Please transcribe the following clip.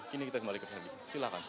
kini kita kembali ke sana silahkan